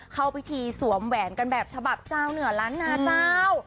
เข้าพิธีสวมแหวนกันแบบฉบับเจ้าเหนือล้านนาเจ้า